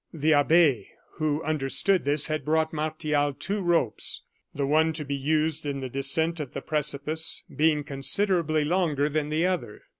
The abbe, who understood this, had brought Martial two ropes; the one to be used in the descent of the precipice being considerably longer than the other.